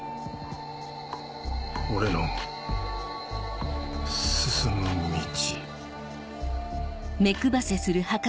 俺の進む道。